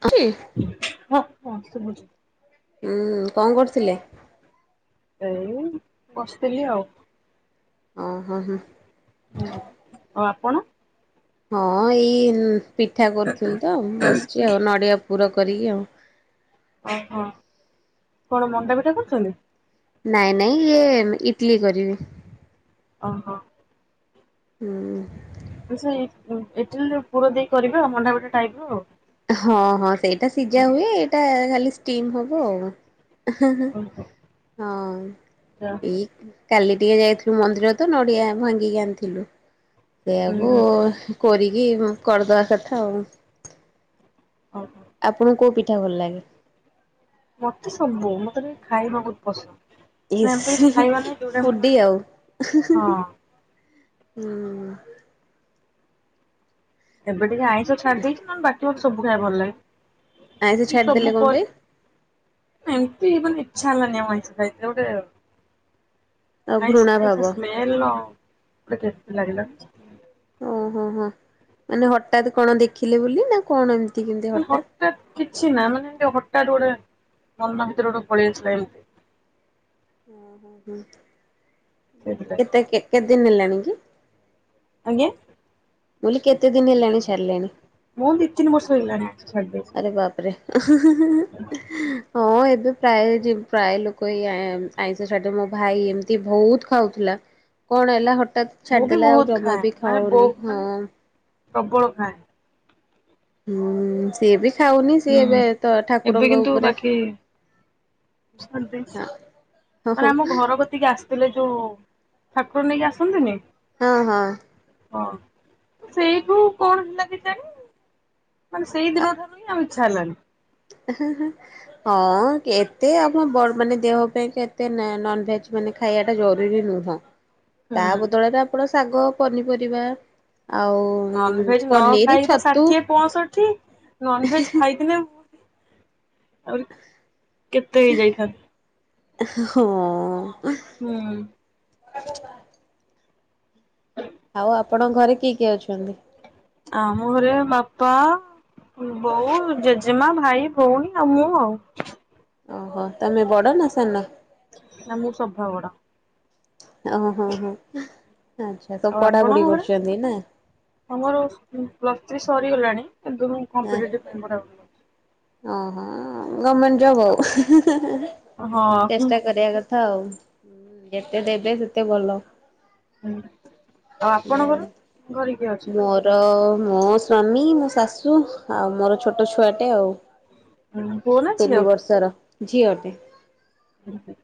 [unintelligible] କି ହଁ ହଁ ଶୁଭୁଛି ଉୁଁ କଣ କରୁଥିଲେ? ଏଇ ବସିଥିଲି ଆଉ ଓ ହଁ ହଁ। ହୁଁ ଆଉ ଆପଣ? ହଁ ଏଇ ପିଠା କରୁଥିଲି ତ ବସିଛି ଆଉ ନଡ଼ିଆ ପୁର କରିକି ଆଉ ଓହୋ କଣ ମଣ୍ଡା ପିଠା କରୁଛନ୍ତି? ନାଇଁ ନାଇଁ ଇଏ ଇଟଲିି କରିବି ଓହୋ। ହୁଁ। ସେ ଇଟିଲି ପୁର ଦେଇ କରିବେ ଆଉ ମଣ୍ଡା ପିଠା ଟାଇପ ର ହଁ ହଁ ସେଇଟା ସିଝା ହୁଏ ଏଇଟା ଖାଲି ଷ୍ଟିମ୍ ହବ ଆଉ ଓହୋ ହଁ ଯା ଏଇ କାଲି ଟିକେ ଯାଇଥିଲୁ ମନ୍ଦିର ତ ନଡ଼ିଆ ଭାଙ୍ଗିକି ଆଣିଥିଲୁ ହୁଁ ସେଆକୁ ହୁଁ କରିକି କରିଦବା କଥା ଆଉ ହଉ। ଆପଣଙ୍କୁ କୋଉ ପିଠା ଭଲ ଲାଗେ? ମତେ ସବୁ ମତେ ଟିକେ ଖାଇବା ବହୁତ ପସନ୍ଦ ମାନେ ଏମିତି କିଛି ଇସ୍ ହଁ ଖାଇବା ନାହିଁ ଯୋଉଟା ମୁଁ ଫୁଡି ମାନେ ଆଉ ହଁ ଏବେ ଟିକେ ଆଇଁଷ ଛାଡି ଦେଇଛି ନହଲେ ବାକି ମୋତେ ସବୁ ଖାଇବା ଭଲ ଆଇଁଷ ଲାଗେ ଛାଡିଦେଲେ ସବୁ କଣ ପରେ ପାଇଁ? ଏମିତି ଇଚ୍ଛା ହେଲାାନି ଆଈଁଷ ଖାଇଥିଲେ ଗୋଟେ ଆଉ ଘୃଣା [unintelligible] ଭାବ ସ୍ମେଲର କେମିଥି ଲାାଗିଲା ଓହୋ ହୋ ମାନେ ହଠାତ୍ କଣ ଦେଖିଲେ ବୋଲି ନା କଣ ଏମିତି କେମତି ହଠାତ୍ ଟ କିଛି ନା ମାନେ ଏ ହଠାତ୍ ଗୋଟେ ମନ ଭିତରେ ଗୋଟେ ପଳେଇ ଆସିଲା ଏମିତି ଓ ହୋ ହୋ ସେଇଥିପାଇଁ କେତେ କେତେ ଦିନ ହେଲାଣି କି? ଆଜ୍ଞା। ମୁ କହିଲି କେତେ ଦିନ ହେଲାଣି ଛାଡ଼ି ଲେଣି? ମୁଁ ଦି ତିିନ ବର୍ଷ ହେଇଗଲାଣି ଆଇଁଷ ଛାଡ଼ିଦେଇଚି। ହବା ଉପରେ ହଁ ଏବେ ପ୍ରାୟ ପ୍ରାୟ ଲୋକ କହି ଆଇଁଷ ଛାଡିଦେ ମୋ ଭାଇ ଏମିତି ବହୁତ ଖାଉଥିଲା କଣ ହେଲା ହଠାତ୍ ମୁଁ ବି ଛାଡିଦେଲା ଆଉ ବହୁତ ଜମା ଖାଏ ବି ମାନେ ଖାଉନି ବହୁ ହଁ। ମାନେ ପ୍ରବଳ ଖାଏ। ହୁଁ ସିଏ ବି ଖାଉନି ସିଏ ହୁଁ ଏବେ ତ ଏବେ ଠାକୁରଙ୍କ କିନ୍ତୁ ଉପରେ ବାକି ଛାଡି ଦେଇଛି ହଁ। ହଁ ମାନେ ଆମ ଘର କତିକି ଆସିଥିଲେ ଯୋଉ ଠାକୁର ନେଇକି ଆସନ୍ତିନି ହଁ ହଁ। ହଁ ସେଇଠୁ କଣ ହେଲା କେଜାଣି? ମାନ ସେଇଦିନଠାରୁ ହିଁ ଆଇଁଶ ଛାରିଲାଣି। ହଁ ହଁ ହଁ କେତେ ଆମ ମାନେ ଦେହ ପାଇଁ ଏତେ ନନଭେଜ୍ ମାନେ ଖାଇବାଟା ଜରୁରୀ ନୁହଁ। ହ ତା ବଦଳରେ ଆପଣ ଶାଗ ପନିପରିବା ଆଉ ନନଭେଜ ନ ପନିର ଖାଇକି ତ ଛତୁ ଷାଠିଏ ପଞ୍ଚଁଷଠି ନନଭେଜ ଖାଇଥିଲେ ଆଉରି କେତେ ହେଇ ଯାଇଥାନ୍ତା। ହଁ। ହୁଁ। ହୁଁ ଆଉ ଆପଣଙ୍କ ଘରେ କିଏ କିଏ ଅଛନ୍ତି? ଆଉ ଆମ ଘରେ ବାପା ବୋଉ ଜେଜେମା ଭାଇ। ଭଉନି ଆଉ ମୁଁ ଆଉ। ଓହୋ ତମେ ବଡ଼ ନା ସାନ? ନା ମୁଁ ସଭାବଡ। ଓ ହୋ ହୋ ଆଛା। ଆଉ ଆପଣଙ୍କ ଘରେ ଆମର ପ୍ଲସ୍ ଥ୍ରୀ ସରିଗଲାଣି କିନ୍ତୁ କମ୍ପିଟେଟିଭ ପାଇଁ ପଢ଼ା ହଉଛି। ଓହୋ ଗମେଣ୍ଟ ଜବ ଆଉ କରୁଛି। ହଁ ହୁଁ ଚେଷ୍ଟା କରିବା କଥା। କଥା ଆଉ ଯେତେ ଦେବେ ସେତେ ଭଲ। ହୁଁ ଆଉ ଆପଣଙ୍କର ଘରେ କିଏ ଅଛନ୍ତି? ମୋର ମୋ ସ୍ଵାମୀ ମୋ ଶାଶୁ ଆଉ ମୋର ଛୋଟ ଛୁଆଟେ ଆଉ ପୁଅ ନା ଝିଅ ତିନି ବର୍ଷର ଝିଅ ଟେ। ହୁଁ।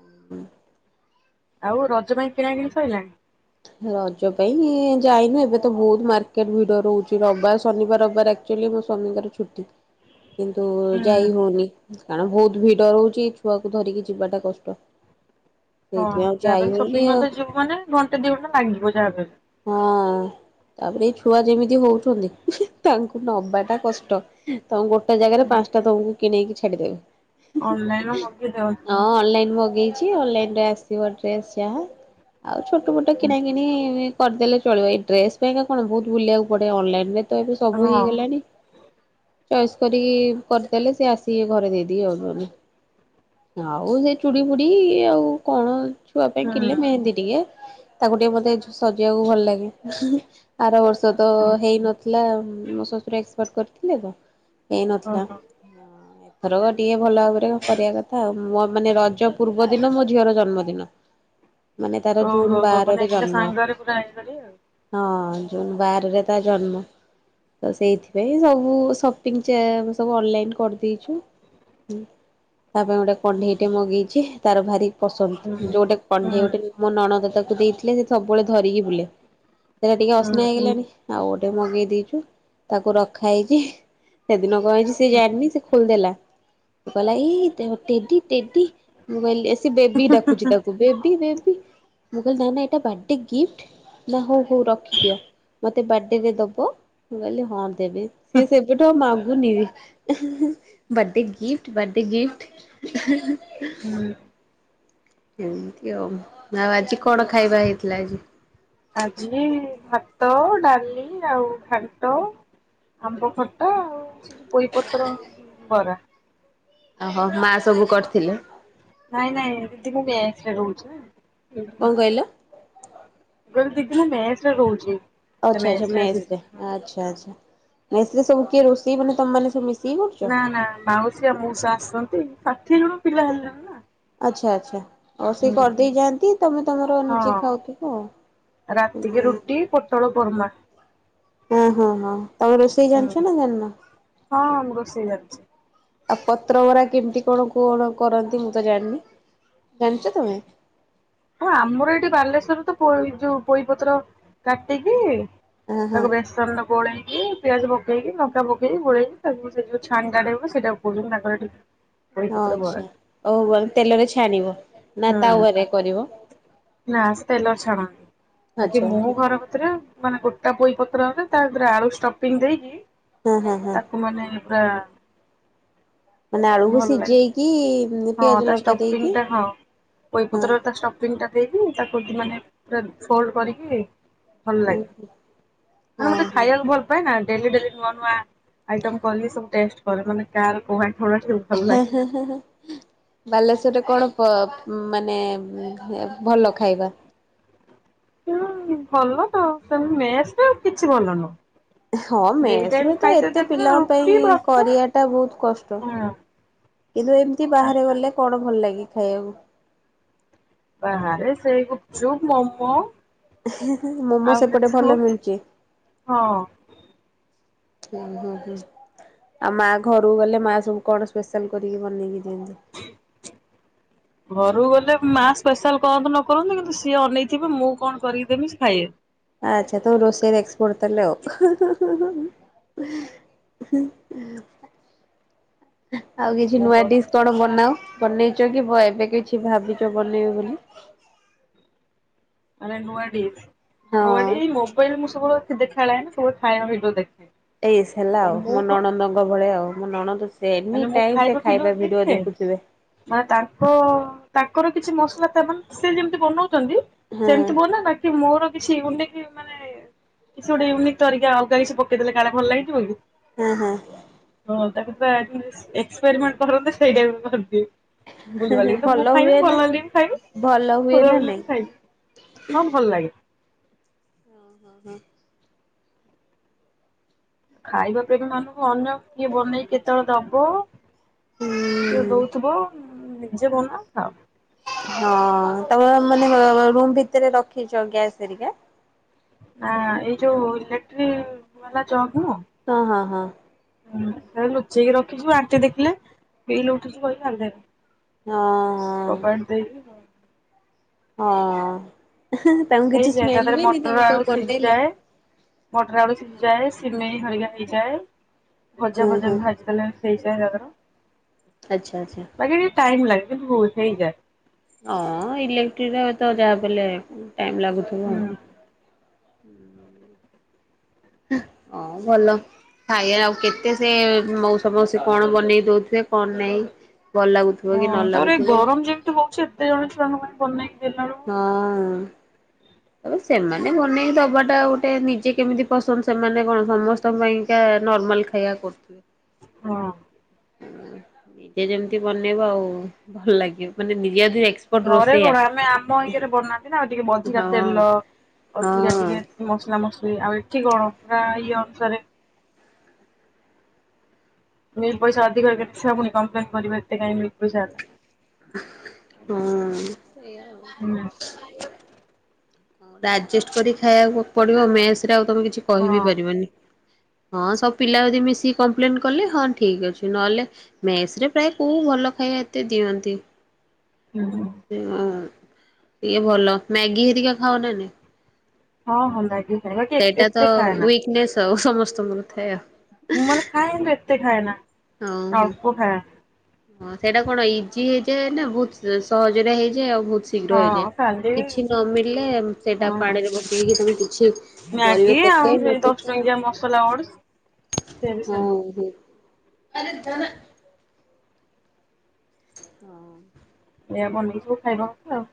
ହଁ। ଆଉ ରଜ ପାଇଁ କିଣାକିଣି ସଇଲାନି? ରଜ ପାଇଁ ଯାଇନୁ ଏବେ ତ ବହୁତ ମାର୍କେଟ ଭିଡ ରହୁଛି ରବିବାର ଶନିବାର ରବିବାର। ଆକ୍ଚଆଲି ମୋ ସ୍ୱାମୀଙ୍କର ଛୁଟି। ହ କିନ୍ତୁ ଯାଇ ହଉନି କାରଣ ବହୁତ ଭିଡ ରହୁଛି ଛୁଆକୁ ଧରିକି ଯିବାଟା କଷ୍ଟ। ହଁ ସେଇଥି ପାଇଁ ଆଉ ଯାହା ଯାଇ ହଉନି ସପିଙ୍ଗ ଆଉ କରିତେ ଯିବୁ ମାନେ ଘଣ୍ଟେ ଦି ଘଣ୍ଟା ଲାଗିବ ଯାହାବି ହେଲେ। ହଁ ତାପରେ ଏଇ ଛୁଆ ଯେମିତି ହଉଛନ୍ତି ତାଙ୍କୁ ନବାଟା କଷ୍ଟ। ତମେ ଗୋଟେ ଜାଗାରେ ପାଞ୍ଚଟା ତମକୁ କିଣେଇକି ଅନଲାଇନ ଛାଡିଦେବେ। ମଗେଇ ଦଉ ହଁ ଅନ୍ଲାଇନ୍ ମଗେଇ ଚି ଅନଲାଇନରେ ଆସିବ ଡ୍ରେସ ଯାହା। ଆଉ ଛୋଟମୋଟ କିଣାକିଣି କରିଦେଲେ ଚଳିବ ଏଇ ଡ୍ରେସ ପାଇଁକା କଣ ବହୁତ ବୁଲିବାକୁ ପଡେ ଅନଲାଇନ ରେ ତ ଏବେ ସବୁ ହଁ ହେଇଗଲାଣି ଚଏସ୍ କରିକି କରିଦେଲେ ସେ ଆସିକି ଘରେ ଦେଇଦେଇକି ଯାଉଛନ୍ତି। ଆଉ ସେ ଚୁଡି ଫୁଡି ଆଉ କଣ ଛୁଆ ପାଇଁ କିଣିଲେ ହୁଁ। ମେହେନ୍ଦୀ ଟିକେ ତାକୁ ଟିକେ ମତେ ସଜେଇବାକୁ ଭଲ ଲାଗେ ଆର ବର୍ଷ ର୍ଷ ତ ହେଇ ନଥିଲା ମୋ ଶ୍ୱଶୁର ଏକ୍ସପାଡ କରିଥିଲେ ତ ହେଇ ନଥିଲା। ଓହୋ ଏଥରକ ଟିକେ ଭଲ ଭାବରେ କରିବା କଥା ଆଉ। ମୋର ମାନେ ରଜ ପୂର୍ବ ଦିନ ମୋ ଝିଅର ଜନ୍ମଦିନ ମାନେ ତାର ଜୁନ ଓହୋ ହୋ ବାର ମାନେ ଏକା ସାଙ୍ଗରେ ପୁରା ହେଇଗଲି ଆଉ। ହଁ ଜୁନ୍ ବାରରେ ତା ଜନ୍ମ। ତ ସେଇଥିପାଇଁ ସବୁ ସପିଙ୍ଗ ଚା ସବୁ ଅନଲାଇନ କରିଦେଇଛୁ। ତା ପାଇଁ ଗୋଟେ କଣ୍ଢେଇ ଟେ ମଗେଇଛି ତାର ଭାରି ପସନ୍ଦ ଯୋ ହୁଁ ଗୋଟେ କଣ୍ଢେଇ ହୁଁ ଗୋଟେ ମୋ ନଣନ୍ଦ ତାକୁ ଦେଇଥିଲେ ସେ ସବୁବେଳେ ଧରିକି ବୁଲେ। ସେଇଟା ଟିକେ ହୁଁ ଅସ୍ନା ହେଇଗଲାଣି ଆଉ ଗୋଟେ ମଗେଇ ଦେଇଛୁ ତାକୁ ରଖା ହେଇଛି। ସେଦିନ କଣହେଇଛି ସେ ଜାଣିନି ସେ ଖୋଲିଦେଲା ସେ କହିଲା ଏଇ ଟେଡି ଟେଡି। ମୁଁ କହିଲି ସେ ବେବି ଡାକୁଚି ତାକୁ ବେବି ବେବି ମୁଁ କହିଲି ନାଇଁ ନାଇଁ ଏଟା ବାଥଡେ ଗିପ୍ଟ। ନା ହଉ ହଉ ରଖିଦିଅ ମତେ ବାର୍ଥଡେରେ ଦବ ମୁଁ କହିଲି ହଁ। ଦେବି ସିଏ ସେବେଠୁ ଆଉ ମାଗୁନି ବି। ଉହ୍ନୁ, ଉହ୍ନୁ ବାର୍ଥଡେ ଗିଫ୍ଟ ବାର୍ଥଡେ ଗିଫ୍ଟ ଉହୁଁଉହୁଁ,। ହୁଁ। ଏମିତି ଆଉ, ଆଉ ଆଜି କଣ ଖାଇବା ହେଇଥିଲା ଆଜି? ଆଜି ଭାତ, ଡାଲି, ଆଉ ଘାଣ୍ଟ, ଆମ୍ବ ଖଟ [unintelligible] ଆଉ ସେ ପୋଇ ପତ୍ର ବରା ଅ, ହିଁ, ମା ସବୁ କରିଥିଲେ। ନାଇଁ, ନାଇଁ ଏମିତି ମୁଁ ମେସ ରେ ରହୁଛି। କଣ କହିଲ? ମୁଁ କହିଲି ଦିଦି ମୁଁ ମେସରେ ରହୁଛି। ସେ ଆଚ୍ଛା, ଆଛା ମେସରେ ଆଜି ମେସ୍ ହେଇଥିଲା। ରେ ଆଚ୍ଛା, ଆଚ୍ଛା ମେସ ରେ ସବୁ କିଏ ରୋଷେଇ ବନେ ତମେ ମାନେ ସବୁ ମିଶି ନା, ନା ମାଉସୀ ଆଉ ମଉଶା ଆସଛନ୍ତି, ଷାଠିଏ ଜଣ ପିଲା ହେଲୁଣି। ଆଚ୍ଛା ଆଚ୍ଛା ଆଉ ସେ କରିଦେଇ ଯାଆନ୍ତି ତମେ ତମର ନିଜେ ଖାଉଥିବ ଆଉ। ରାତିକ ହୁଁ। ରୁଟି ପୋଟଳ କରୋମା ଅ, ହଁ, ହଁ, ତମେ ରୋଷେଇ ହୁଁ। ଜାନିଛ ନା ଜାଣି ନ? ହଁ, ହିଁ, ମୁଁ ରୋଷେଇ ଜାଣିଛି। ଆଉ ପତ୍ର ବରା କେମିତି କଣ କଣ କରନ୍ତି, ମୁଁ ତ ଜାଣିନି ଜାଣିଛ ତମେ? ହଁ, ଆମର ଏଇଠି ବାଲେଶ୍ୱରରେ ତ ଯୋଉ ପୋଇପତ୍ର କାଟିକି ହଁ ହଁ ତାକୁ ବେଶ ବେସନରେ ଗୋଳେଇକି ପିଆଜ ପକେଇକି ଲଙ୍କା ପକେଇ ଗୋଳେଇକି ତାକୁ ସେ ଯେଉଁ ଛାଣିଟା କାଢ଼ି ବାକୁ ଟା ସେଇଟା କହୁଛନ୍ତି ତାଙ୍କର ଏଠି [inaudible] ହଁ ବରା ଆଚ୍ଛା ହଉ ଆମ ତେଲରେ ଛାଣିବ ନା ହୁଁ ତାୱାରେ କରିବ? ନା ସେ ତେଲରେ ଛାଣାନ୍ତି ବାକି ଆଚ୍ଛା ମୁଁ ଆଚ୍ଛା ଘର ସେଇଟା ମାନେ ଗୋଟାପୋଇ ପତ୍ର ରେ ତାରେ ଆଳୁ ଷ୍ଟପିଙ୍ଗ ଦେଇକି ହୁଁ, ହୁଁ, ହୁଁ। [inaudible] ମାନେ ପା ମାନେ ଆଳୁକୁ ଲାଗେ ସିଝେଇକି ହଁ ପିଆଜ ତା ଲଙ୍କା ଷ୍ଟପିଙ୍ଗ ଦେଇକି ହଁ ତିନି ଟା ଦେଇକି ତାକୁ ମାନେ ପୁରା ଫୋଲଡ୍ କରିକି ଭଲ ହଁ ଲାଗେ, ମାନେ ମତେ ହଁ। ଖାଇବାକୁ ଭଲ ପାଏ ନା ଡେଲି ଡେଲି ନୂଆ ନୂଆ ଆଇଟମ୍ କଲି ସବୁ ଟେଷ୍ଟ କରେ ମାନେ କାହାର କଉ [inaudible] ହେଁ, ହେଁ, ହେଁ, ହେଁ। ବାଲେଶ୍ଵରରେ କଣ ପ ମାନେ ଭଲ ଖାଇବା? ହୁଁ, ଭଲ ତ ସେମିତି ମେସରେ ଆଉ କିଛି ଭଲ ନୁହଁ। ହଁ, ଦି ମେସ୍ ଟାଇମ ରେ ତ ଖାଇତେ ଏତେ ଦେବେ ପିଲାଙ୍କ ରୁଟି ପାଇଁ ଭାତ କରିବା ଟା ବହୁତ କଷ୍ଟ। ହଁ କିନ୍ତୁ ଏମିତି ବାହାରେ ଗଲେ କଣ ଭଲ ଲାଗେ ଖାଇବାକୁ? ବାହାରେ ସେଇ ଗୁପଚୁପ୍, ମୋମୋ। ମୋମୋ ଆଉ ସେପଟେ ଭଲ ମିଳୁଚି? ହଁ ହୁଁ, ହୁଁ, ହୁଁ। ଆଉ ମା ଘରକୁ ଗଲେ ମା ସବୁ କଣ ସ୍ପେଶାଲ କରିକି ବନେଇକି ଦିଅନ୍ତି? [unintelligible] ଘରୁକୁ ଗଲେ ମା ସ୍ପେଶାଲ କରନ୍ତୁ ନ କରନ୍ତୁ କିନ୍ତୁ ସିଏ ଅନେଇଥିବେ ମୁଁ କଣ କରିକି ଦେମି ସେ ଖାଇବେ। ଆଚ୍ଛା, ତମେ ରୋଷେଇରେ ଏକ୍ସପର୍ଟ ତା ହେଲେ ଆଉ। ଉଁ, ହୁଁ। [inaudible] ଆଉ କିଛି ମୁଁ କ ନୂଆ ଡିସ୍ କଣ ବନାଅ, ବନେଇଛ କି ଭ ଏବେ କିଛି ଭାବିଛ ବନେଇବ ବୋଲି? ମାନେ ନୂଆ ଡିସ୍, ହଁ। [inaudible] ମୋବାଇଲ ମୁଁ ସବୁବେଳେ ଦେଖ ଖେଳାଏନା କେବଳ ଖାଇବା ଭିଡିଓ ଦେଖେ। ଏଇସ୍ ତ ହେଲା ଆଉ ମୁଁ ମୋ କ ନଣନ୍ଦଙ୍କ ଭଳିଆ ଆଉ ମୋ ନଣନ୍ଦ ସେ ମାନେ ଏନି ମୁଁ ଟାଇମ୍ ସେ ଖାଇବା ଭିଡିଓ ଦେଖୁଥିବେ। ନା ତାଙ୍କ ତାଙ୍କର କିଛି ମସଲା ତା ମାନ ସେ ଯେମିତି ବନଉଛନ୍ତି ହଁ ସେମିତି ବନାଏ ବାକି ମୋର କିଛି ଇୟୁନିକ୍ ମାନେ କିଛି ଗୋଟେ ଇୟୁନିକ୍ ତରିକା ଅଲଗା କିଛି ପକେଇ ଦେଲେ କାଳେ ଭଲ ଲାଗଯିବ କି? ହୁଁ, ହୁଁ। ହଁ, ତାକୁ [inaudible] ଏକ୍ସପେରିମେଣ୍ଟ କରନ୍ତି, ସେଇ ଟାଇପ୍ କରିଦିଏ। ବୁଲିବାଲି କିତ ଭଲ ମୁଁ ଖାଇବି ହୁଏ ନା ଭଲ ହେଲେ ବି ଖାଇବି, ଭଲ ହୁଏ ନା ଖରାପ ହେଲେ ନାଇଁ? ବି ଖାଇବି। ହଁ, ଭଲ ଲାଗେ। ହଁ, ହଁ। ଖାଇବା ପିଇବା ଏମାନଙ୍କୁ ଅନ୍ୟ କିଏ ବନେଇି କେତେବେଳେ ଦବ? ହୁଁ କିଏ ଦଉଥିବ, ନିଜେ ବନା ଖାଅ। ହଁ, ତାମେ ମାନେ ରୁମ୍ ଭିତରେ ରଖିଛ ଗ୍ୟାସ ହେରିକା? ଆଁ ଏଇ ଯୋଉ ଇଲେକ୍ଟ୍ରି ବାଲା ଜଗ୍ ନୁହଁ ହଁ, ହଁ, ହଁ। ହୁଁ, ଲୁଚେଇକି ରଖିଛୁ, ଆଣ୍ଟି ଦେଖିଲେ ବିଲ ଉଠିଛୁ କହି ଗାଳି ଦେବେ। ହଁ, ହଁ। [inaudible] ହଁ। ତାଙ୍କୁ କିଛି ହେଇଯାଏ ତା ସ୍ମେଲ ଦେହରେ ହୁଏନି ତମେ ମଟର, ସବୁ ଆଳୁ ବନେଇଲେ? ସିଝିଯାଏ। ମଟର ଆଳୁ ସିଝି ଯାଏ, ସିମେଇ ଘରିକା ହେଇଯାଏ, ‌ଭଜା ହୁଁ ଭଜା ହୁଁ ଭାଜି [inaudible] ହେଇଯାଏ ତାଧିରେ। ଆଚ୍ଛା, ଆଚ୍ଛା। ବାକି ଟିକେ ଟାଇମ୍ ଲାଗେ, କିନ୍ତୁ [inaudible] ହେଇଯାଏ। ହଁ, ଇଲେକ୍ଟ୍ରିରେ ତ ଯାହାବି ହେଲେ ଟାଇମ୍ ଲାଗୁଥିବ। ହୁଁ ହୁଁ [inaudible] ହଁ ଭଲ। ଖାଇବା ଆଉ କେତେ ସେ ମଉସା ମାଉସୀ କଣ ବନେଇ ଦଉଥିବେ। କଣ ନାଇଁ ଭଲ ଲାଗୁ ହଁ ତାପରେ ଏଇ ଗରମ ଯେମିତି ହଉଛି। ଏତେ ଜଣ ଛୁଆଙ୍କ ପାଇଁ ବନେଇକି ଦେଲାବେଳୁ- ହଁ। ତ ସେମାନେ ବନେଇକି। ଦବା ଟା ଗୋଟେ ନିଜେ କେମିତି ପସନ୍ଦ ସେମାନେ କଣ ସମସ୍ତଙ୍କ ପାଇଁକା ନର୍ମାଲ ସେଇୟା କରୁଥିବେ। ହଁ। ନିଜେ ଯେମିତି ବନେଇବ ଆଉ ଭଲ ଲାଗିବ। ମାନେ ନିଜେ ଏସ ଘରେ କଣ ଆମେ ଆମ ଇଏରେ ବନାନ୍ତି। ନା ଆଉ ଟିକେ ଅଧିକା ହଁ ତେଲ ହଁ ଅଧିକା ଟିକେ ମସଲା ମସଲି ଆଉ ଏଠି କଣ ପୁରା ଇଏ ଅନୁସାରେ। ମିଲ ପଇସା ଅଧିକ କେତେ ସବୁ କମ୍ପଲେନ କରିବେ ଏତେ କାଁଇ ପଇସା ହେଲା? ହୁଁ ଆରେ [inaudible] ଆଜେଷ୍ଟ କରି ଖାଇବାକୁ ପଡିବ। ମେସରେ ଆଉ ତମେ କିଛି କହିବି ହଁ ପାରିବନି। ହଁ ସବୁ ପିଲା ଯଦି ମିଶିକି କମ୍ପ୍ଲେନ କଲେ। ହଁ ଠିକ ଅଛି ନହେଲେ। ମେସରେ ପ୍ରାୟ କୋଉ ଭଲ ଖାଇବା ଏତେ ଦିଅନ୍ତି? ହୁଁ ହୁଁ ହ ଟିକେ ଭଲ ମ୍ୟାଗି ହେରିକା ଖାଅନା ନାହିଁ। ହଁ ହଁ ମ୍ୟାଗି। ଖାଏ ବାକି ଏ ସେଇଟା ଏତେ ତ ଖାଏ ନା ୱିକନେସ୍ ଆଉ ସମସ୍ତଙ୍କର ଥାଏ। ମାନେ ନାଇ ମୁଁ ଏତେ ଖାଏ ନା- ହ ହୋ। ଅଳ୍ପ ଖାଏ ହଁ ସେଇଟା କଣ ଇଜି ହେଇଯାଏ ନା ବହୁତ ସହଜରେ ହେଇଯାଏ। ଆଉ ବହୁତ ଶୀଘ୍ର ହଁ ହେଇଯାଏ। ଖାଲି କିଛି ନ ମିଳିଲେ ସେଇଟା ହଁ ପାଣିରେ ପକେଇକି ସବୁ କିଛି ପରିବା ମ୍ୟାଗି ଆଉ ପକାଇ ନ ସେଇ ଦଶ ପକାଇ ଟଙ୍କିଆ ମସଲା ଓଡସ୍ ହଁ ଆ ରେ ଧର ହଁ। ଏଆ ଆମ [inaudible] ବନେଇ ସବୁ ଖାଇବା କଥା ଉ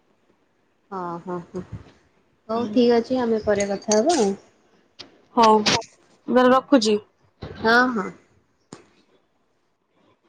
ହଁ ହଁ ହଁ ହଉ ଠିକ ଅଛି ଆମେ ପରେ କଥା ହବା ଆଉ। ହଉ। ମୁଁ ତାହାଲେ ରଖୁଛି। ହଁ ହଁ।